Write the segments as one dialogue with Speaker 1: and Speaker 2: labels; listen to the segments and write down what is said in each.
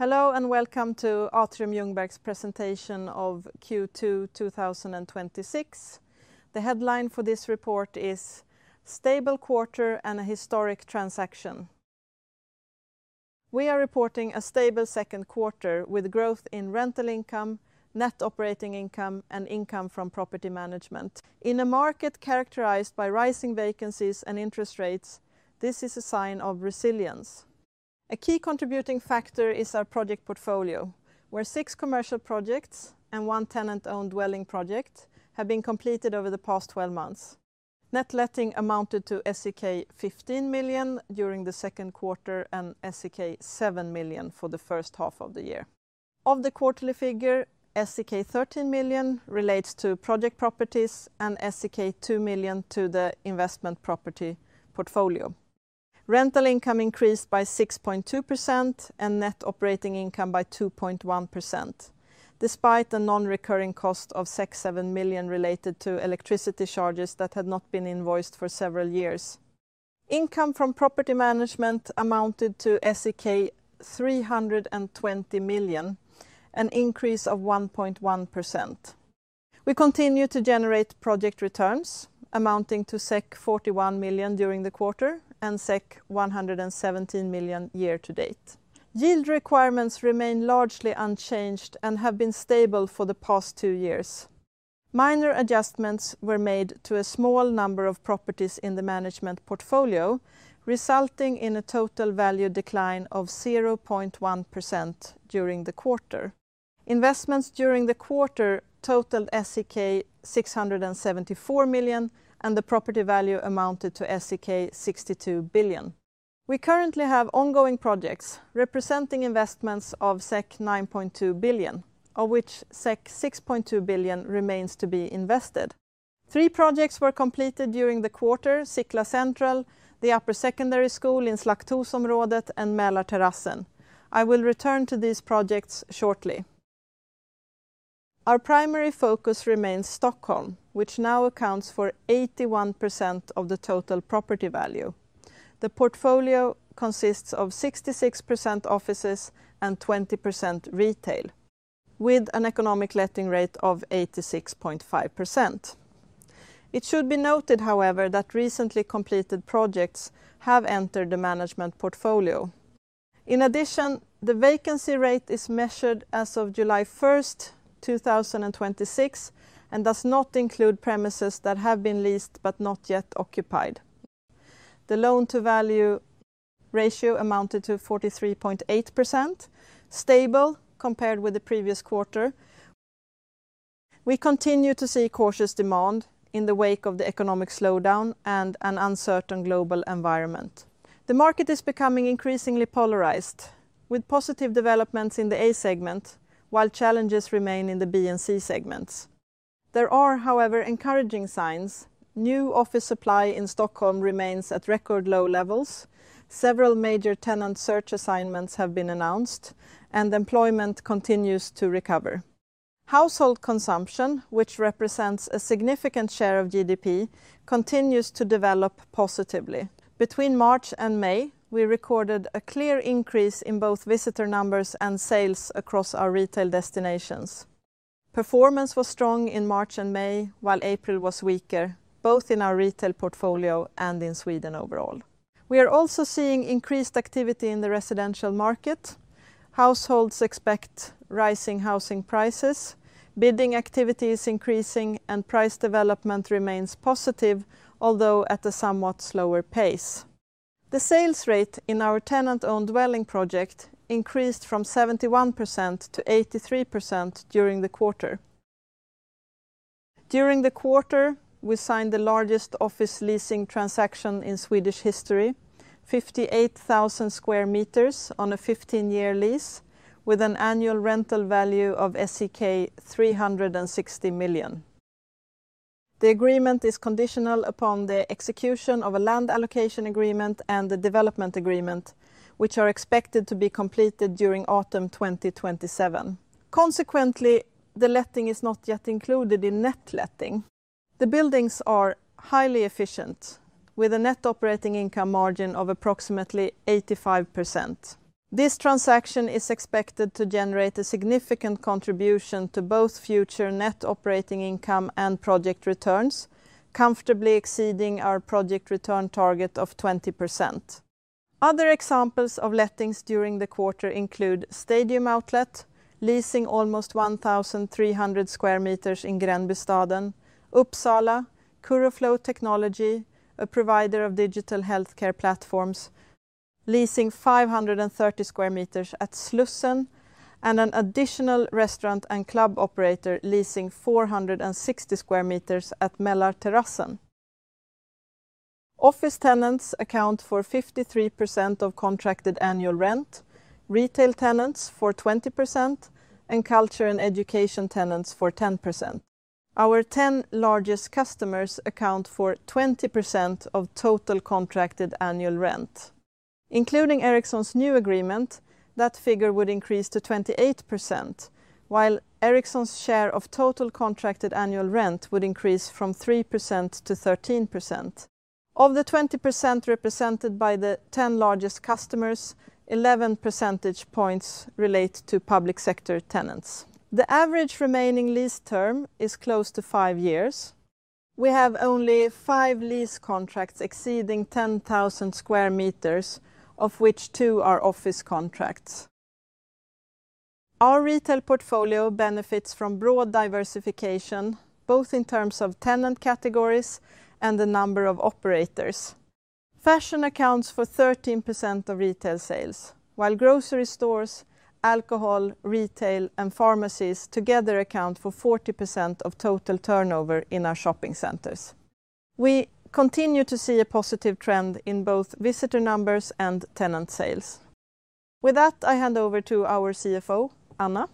Speaker 1: Hello, welcome to Atrium Ljungberg's presentation of Q2 2026. The headline for this report is "Stable Quarter and a Historic Transaction." We are reporting a stable second quarter with growth in rental income, net operating income, and income from property management. In a market characterized by rising vacancies and interest rates, this is a sign of resilience. A key contributing factor is our project portfolio, where six commercial projects and one tenant-owned dwelling project have been completed over the past 12 months. Net letting amounted to SEK 15 million during the second quarter and SEK 7 million for the first half of the year. Of the quarterly figure, SEK 13 million relates to project properties and SEK 2 million to the investment property portfolio. Rental income increased by 6.2% and net operating income by 2.1%, despite a non-recurring cost of 67 million related to electricity charges that had not been invoiced for several years. Income from property management amounted to SEK 320 million, an increase of 1.1%. We continue to generate project returns amounting to 41 million during the quarter and 117 million year-to-date. Yield requirements remain largely unchanged and have been stable for the past two years. Minor adjustments were made to a small number of properties in the management portfolio, resulting in a total value decline of 0.1% during the quarter. Investments during the quarter totaled SEK 674 million, and the property value amounted to SEK 62 billion. We currently have ongoing projects representing investments of 9.2 billion, of which 6.2 billion remains to be invested. Three projects were completed during the quarter: Sickla Central, the upper secondary school in Slakthusområdet, and Mälarterrassen. I will return to these projects shortly. Our primary focus remains Stockholm, which now accounts for 81% of the total property value. The portfolio consists of 66% offices and 20% retail, with an economic letting rate of 86.5%. It should be noted, however, that recently completed projects have entered the management portfolio. In addition, the vacancy rate is measured as of July 1st, 2026, and does not include premises that have been leased but not yet occupied. The loan-to-value ratio amounted to 43.8%, stable compared with the previous quarter. We continue to see cautious demand in the wake of the economic slowdown and an uncertain global environment. The market is becoming increasingly polarized, with positive developments in the A segment, while challenges remain in the B and C segments. There are, however, encouraging signs. New office supply in Stockholm remains at record low levels. Several major tenant search assignments have been announced, and employment continues to recover. Household consumption, which represents a significant share of GDP, continues to develop positively. Between March and May, we recorded a clear increase in both visitor numbers and sales across our retail destinations. Performance was strong in March and May, while April was weaker, both in our retail portfolio and in Sweden overall. We are also seeing increased activity in the residential market. Households expect rising housing prices, bidding activity is increasing, and price development remains positive, although at a somewhat slower pace. The sales rate in our tenant-owned dwelling project increased from 71%-83% during the quarter. During the quarter, we signed the largest office leasing transaction in Swedish history, 58,000 sq m on a 15-year lease with an annual rental value of SEK 360 million. The agreement is conditional upon the execution of a land allocation agreement and the development agreement, which are expected to be completed during autumn 2027. Consequently, the letting is not yet included in net letting. The buildings are highly efficient, with a net operating income margin of approximately 85%. This transaction is expected to generate a significant contribution to both future net operating income and project returns, comfortably exceeding our project return target of 20%. Other examples of lettings during the quarter include Stadium Outlet leasing almost 1,300 sq m in Gränbystaden, Uppsala, Curoflow Technology, a provider of digital healthcare platforms leasing 530 sq m at Slussen, and an additional restaurant and club operator leasing 460 sq m at Mälarterrassen. Office tenants account for 53% of contracted annual rent, retail tenants for 20%, and culture and education tenants for 10%. Our 10 largest customers account for 20% of total contracted annual rent. Including Ericsson's new agreement, that figure would increase to 28%, while Ericsson's share of total contracted annual rent would increase from 3%-13%. Of the 20% represented by the 10 largest customers, 11 percentage points relate to public sector tenants. The average remaining lease term is close to five years. We have only five lease contracts exceeding 10,000 sq m, of which two are office contracts. Our retail portfolio benefits from broad diversification, both in terms of tenant categories and the number of operators. Fashion accounts for 13% of retail sales, while grocery stores, alcohol, retail, and pharmacies together account for 40% of total turnover in our shopping centers. We continue to see a positive trend in both visitor numbers and tenant sales. With that, I hand over to our CFO, Anna.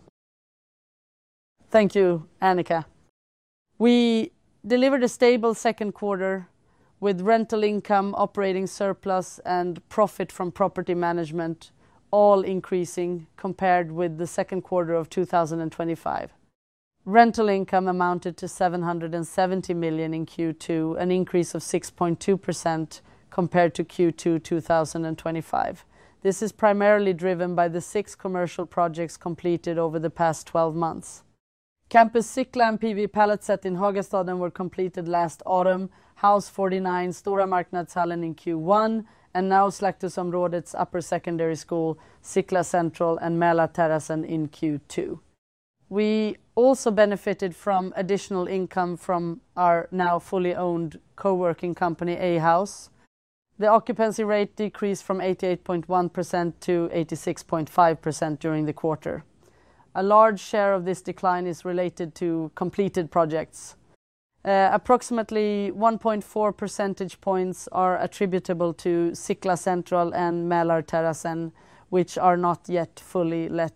Speaker 2: Thank you, Annica. We delivered a stable second quarter with rental income, operating surplus, and profit from property management all increasing compared with the second quarter of 2025. Rental income amounted to 770 million in Q2, an increase of 6.2% compared to Q2 2025. This is primarily driven by the six commercial projects completed over the past 12 months. Campus Sickla and PV-palatset in Hagastaden were completed last autumn, Hus 49 Stora Marknadshallen in Q1, and now Slakthusområdets upper secondary school, Sickla Central, and Mälarterrassen in Q2. We also benefited from additional income from our now fully owned co-working company, A House. The occupancy rate decreased from 88.1%-86.5% during the quarter. A large share of this decline is related to completed projects. Approximately 1.4 percentage points are attributable to Sickla Central and Mälarterrassen, which are not yet fully let.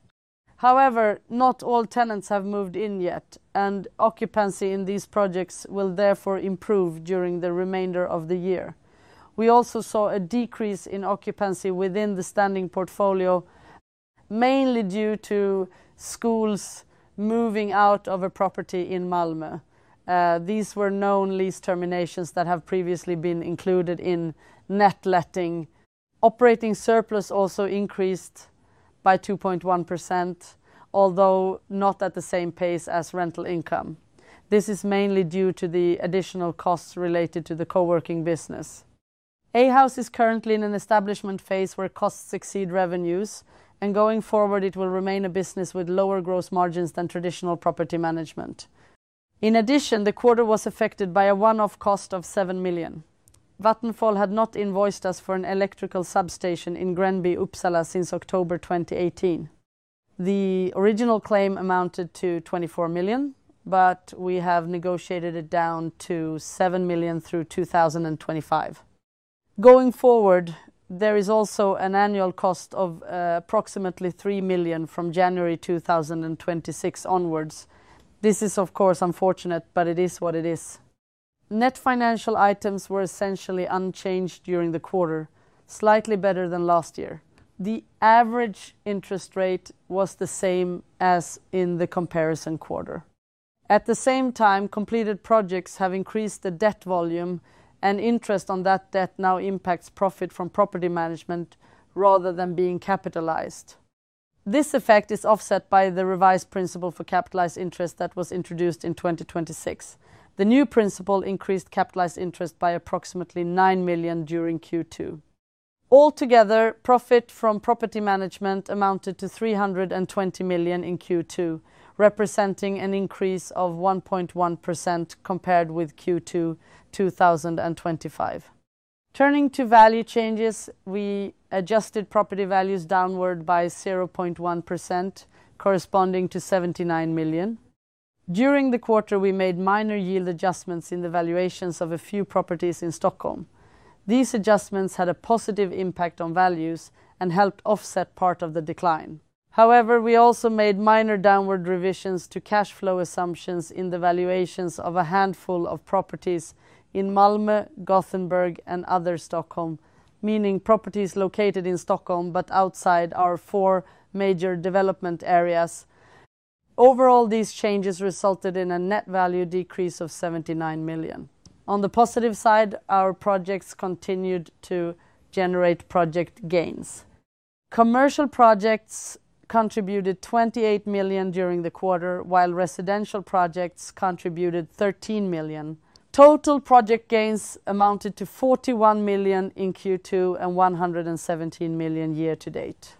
Speaker 2: However, not all tenants have moved in yet, and occupancy in these projects will therefore improve during the remainder of the year. We also saw a decrease in occupancy within the standing portfolio, mainly due to schools moving out of a property in Malmö. These were known lease terminations that have previously been included in net letting. Operating surplus also increased by 2.1%, although not at the same pace as rental income. This is mainly due to the additional costs related to the co-working business. A House is currently in an establishment phase where costs exceed revenues, and going forward it will remain a business with lower gross margins than traditional property management. In addition, the quarter was affected by a one-off cost of 7 million. Vattenfall had not invoiced us for an electrical substation in Gränby, Uppsala since October 2018. The original claim amounted to 24 million, we have negotiated it down to 7 million through 2025. Going forward, there is also an annual cost of approximately 3 million from January 2026 onwards. This is of course unfortunate, but it is what it is. Net financial items were essentially unchanged during the quarter, slightly better than last year. The average interest rate was the same as in the comparison quarter. At the same time, completed projects have increased the debt volume, and interest on that debt now impacts profit from property management rather than being capitalized. This effect is offset by the revised principle for capitalized interest that was introduced in 2026. The new principle increased capitalized interest by approximately 9 million during Q2. Altogether, profit from property management amounted to 320 million in Q2, representing an increase of 1.1% compared with Q2 2025. Turning to value changes, we adjusted property values downward by 0.1%, corresponding to 79 million. During the quarter, we made minor yield adjustments in the valuations of a few properties in Stockholm. These adjustments had a positive impact on values and helped offset part of the decline. We also made minor downward revisions to cash flow assumptions in the valuations of a handful of properties in Malmö, Gothenburg and other Stockholm, meaning properties located in Stockholm, but outside our four major development areas. Overall, these changes resulted in a net value decrease of 79 million. On the positive side, our projects continued to generate project gains. Commercial projects contributed 28 million during the quarter, while residential projects contributed 13 million. Total project gains amounted to 41 million in Q2 and 117 million year-to-date.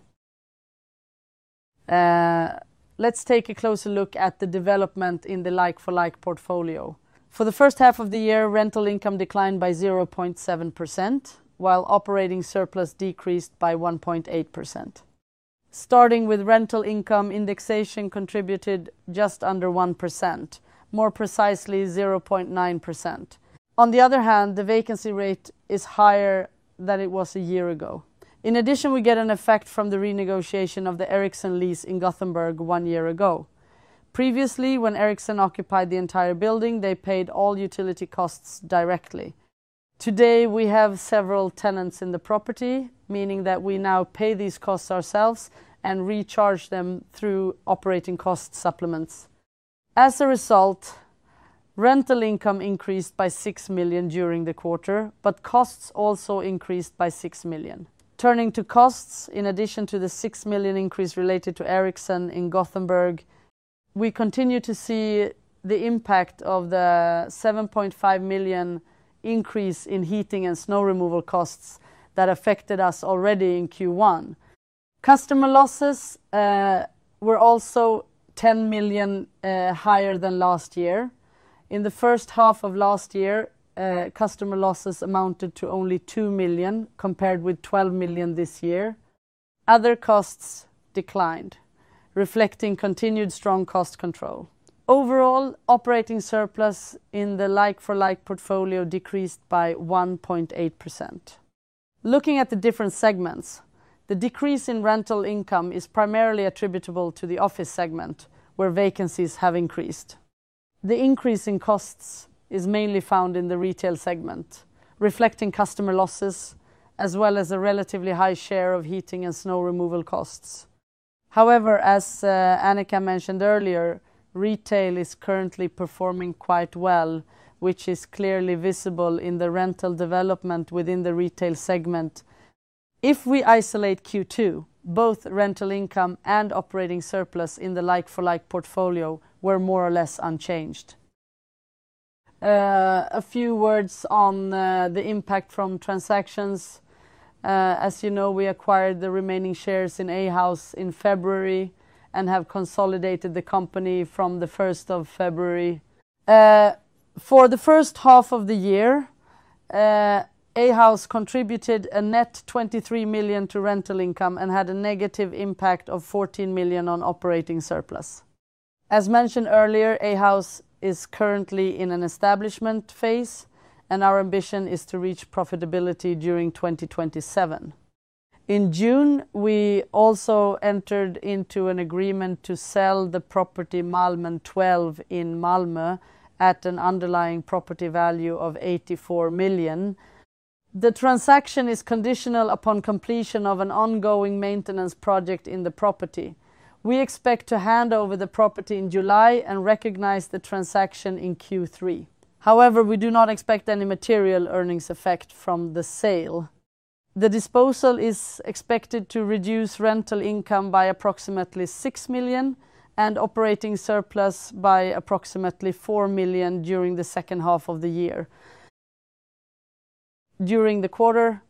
Speaker 2: Let's take a closer look at the development in the like-for-like portfolio. For the first half of the year, rental income declined by 0.7%, while operating surplus decreased by 1.8%. Starting with rental income, indexation contributed just under 1%, more precisely 0.9%. On the other hand, the vacancy rate is higher than it was a year ago. In addition, we get an effect from the renegotiation of the Ericsson lease in Gothenburg one year ago. Previously, when Ericsson occupied the entire building, they paid all utility costs directly. Today, we have several tenants in the property, meaning that we now pay these costs ourselves and recharge them through operating cost supplements. Rental income increased by 6 million during the quarter, but costs also increased by 6 million. Turning to costs, in addition to the 6 million increase related to Ericsson in Gothenburg, we continue to see the impact of the 7.5 million increase in heating and snow removal costs that affected us already in Q1. Customer losses were also 10 million higher than last year. In the first half of last year, customer losses amounted to only 2 million, compared with 12 million this year. Other costs declined, reflecting continued strong cost control. Overall, operating surplus in the like-for-like portfolio decreased by 1.8%. Looking at the different segments, the decrease in rental income is primarily attributable to the office segment, where vacancies have increased. The increase in costs is mainly found in the retail segment, reflecting customer losses, as well as a relatively high share of heating and snow removal costs. As Annica mentioned earlier, retail is currently performing quite well, which is clearly visible in the rental development within the retail segment. If we isolate Q2, both rental income and operating surplus in the like-for-like portfolio were more or less unchanged. A few words on the impact from transactions. As you know, we acquired the remaining shares in A House in February and have consolidated the company from February 1st. For the first half of the year, A House contributed a net 23 million to rental income and had a negative impact of 14 million on operating surplus. As mentioned earlier, A House is currently in an establishment phase, and our ambition is to reach profitability during 2027. In June, we also entered into an agreement to sell the property Malmen 12 in Malmö at an underlying property value of 84 million. The transaction is conditional upon completion of an ongoing maintenance project in the property. We expect to hand over the property in July and recognize the transaction in Q3. We do not expect any material earnings effect from the sale. The disposal is expected to reduce rental income by approximately 6 million and operating surplus by approximately 4 million during the second half of the year. During the quarter,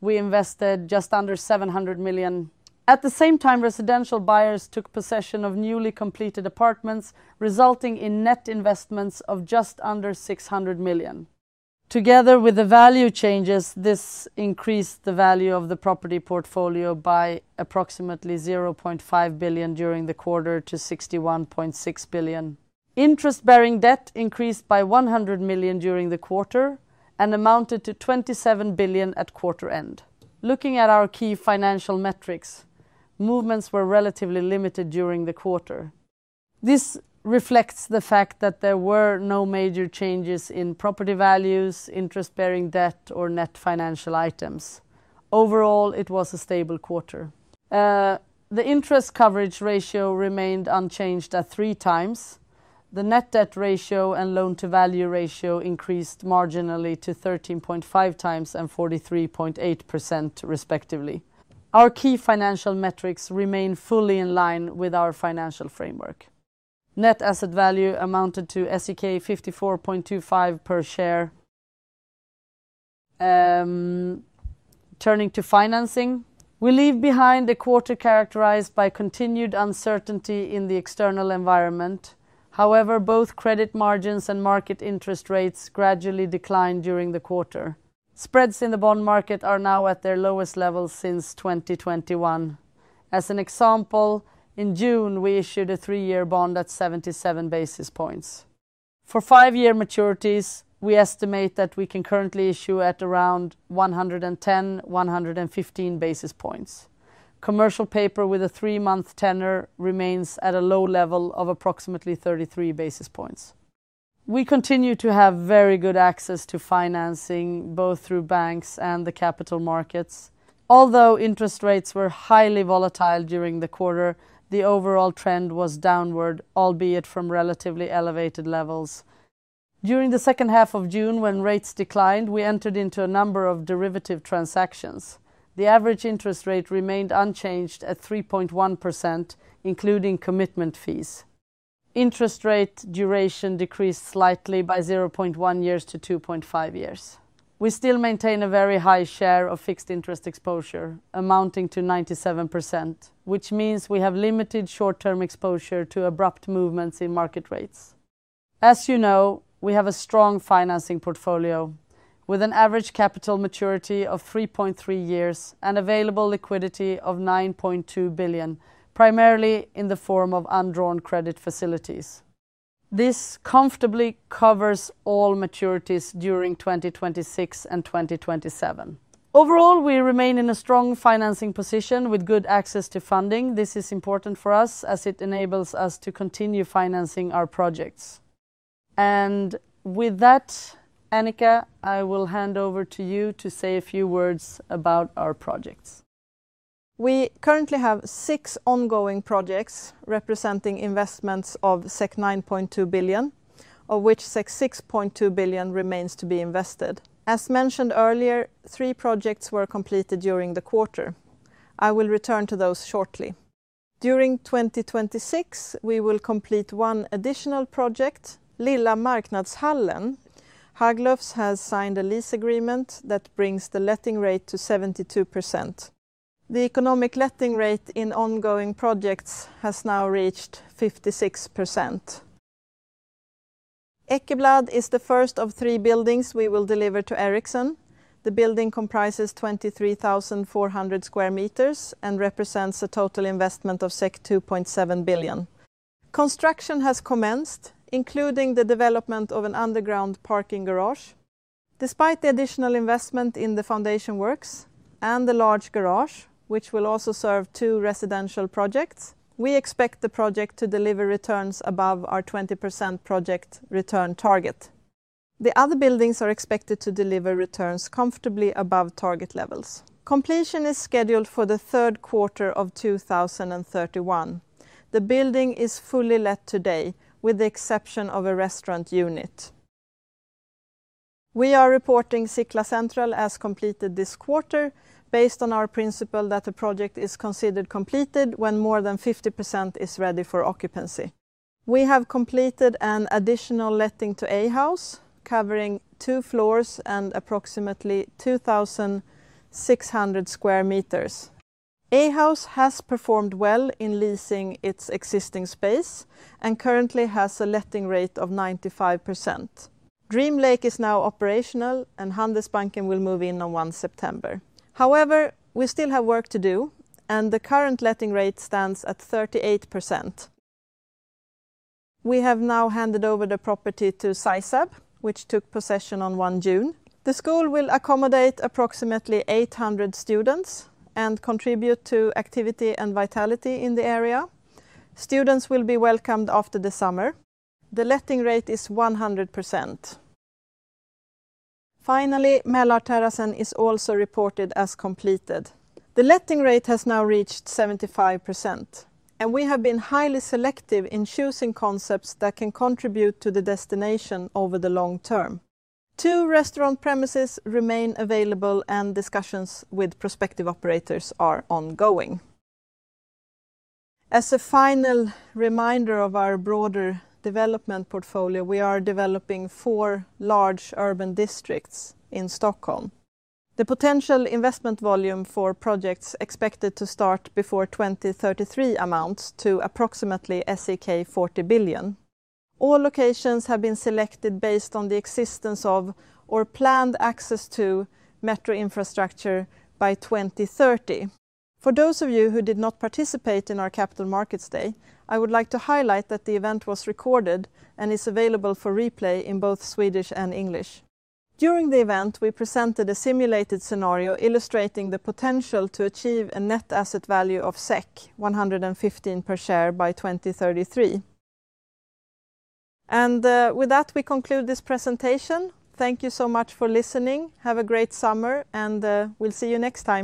Speaker 2: we invested just under 700 million. At the same time, residential buyers took possession of newly completed apartments, resulting in net investments of just under 600 million. Together with the value changes, this increased the value of the property portfolio by approximately 0.5 billion during the quarter to 61.6 billion. Interest-bearing debt increased by 100 million during the quarter and amounted to 27 billion at quarter end. Looking at our key financial metrics, movements were relatively limited during the quarter. This reflects the fact that there were no major changes in property values, interest-bearing debt, or net financial items. Overall, it was a stable quarter. The interest coverage ratio remained unchanged at 3x. The net debt ratio and loan-to-value ratio increased marginally to 13.5x and 43.8%, respectively. Our key financial metrics remain fully in line with our financial framework. Net asset value amounted to SEK 54.25 per share. Turning to financing, we leave behind a quarter characterized by continued uncertainty in the external environment. Both credit margins and market interest rates gradually declined during the quarter. Spreads in the bond market are now at their lowest level since 2021. As an example, in June, we issued a three-year bond at 77 basis points. For five-year maturities, we estimate that we can currently issue at around 110 basis points-115 basis points. Commercial paper with a three-month tenor remains at a low level of approximately 33 basis points. We continue to have very good access to financing, both through banks and the capital markets. Although interest rates were highly volatile during the quarter, the overall trend was downward, albeit from relatively elevated levels. During the second half of June, when rates declined, we entered into a number of derivative transactions. The average interest rate remained unchanged at 3.1%, including commitment fees. Interest rate duration decreased slightly by zero point one years to two point five years. We still maintain a very high share of fixed interest exposure amounting to 97%, which means we have limited short-term exposure to abrupt movements in market rates. As you know, we have a strong financing portfolio with an average capital maturity of three point three years and available liquidity of 9.2 billion, primarily in the form of undrawn credit facilities. This comfortably covers all maturities during 2026 and 2027. Overall, we remain in a strong financing position with good access to funding. This is important for us as it enables us to continue financing our projects. With that, Annica, I will hand over to you to say a few words about our projects.
Speaker 1: We currently have six ongoing projects representing investments of 9.2 billion, of which 6.2 billion remains to be invested. As mentioned earlier, three projects were completed during the quarter. I will return to those shortly. During 2026, we will complete one additional project, Lilla Marknadshallen. Haglöfs has signed a lease agreement that brings the letting rate to 72%. The economic letting rate in ongoing projects has now reached 56%. Ekeblad is the first of three buildings we will deliver to Ericsson. The building comprises 23,400 sq m and represents a total investment of 2.7 billion. Construction has commenced, including the development of an underground parking garage. Despite the additional investment in the foundation works and the large garage, which will also serve two residential projects, we expect the project to deliver returns above our 20% project return target. The other buildings are expected to deliver returns comfortably above target levels. Completion is scheduled for the third quarter of 2031. The building is fully let today, with the exception of a restaurant unit. We are reporting Sickla Central as completed this quarter based on our principle that a project is considered completed when more than 50% is ready for occupancy. We have completed an additional letting to A House, covering two floors and approximately 2,600 sq m. A House has performed well in leasing its existing space and currently has a letting rate of 95%. Dream Lake is now operational, and Handelsbanken will move in on September 1. However, we still have work to do, and the current letting rate stands at 38%. We have now handed over the property to SISAB, which took possession on 1 June. The school will accommodate approximately 800 students and contribute to activity and vitality in the area. Students will be welcomed after the summer. The letting rate is 100%. Finally, Mälarterrassen is also reported as completed. The letting rate has now reached 75%, and we have been highly selective in choosing concepts that can contribute to the destination over the long term. Two restaurant premises remain available, and discussions with prospective operators are ongoing. As a final reminder of our broader development portfolio, we are developing four large urban districts in Stockholm. The potential investment volume for projects expected to start before 2033 amounts to approximately SEK 40 billion. All locations have been selected based on the existence of or planned access to metro infrastructure by 2030. For those of you who did not participate in our Capital Markets Day, I would like to highlight that the event was recorded and is available for replay in both Swedish and English. During the event, we presented a simulated scenario illustrating the potential to achieve a net asset value of 115 per share by 2033. With that, we conclude this presentation. Thank you so much for listening. Have a great summer, and we'll see you next time